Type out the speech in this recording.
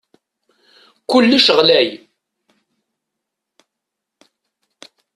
Kullec ɣlay.